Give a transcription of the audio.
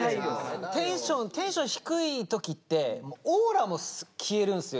テンション低い時ってオーラも消えるんすよ